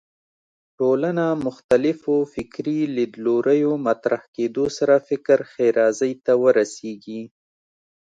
ټولنه مختلفو فکري لیدلوریو مطرح کېدو سره فکر ښېرازۍ ته ورسېږي